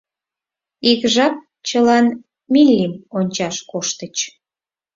Ик жап чылан Миллим ончаш коштыч.